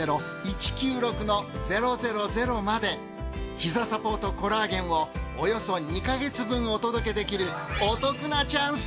ひざサポートコラーゲンをおよそ２ヵ月分お届けできるお得なチャンス。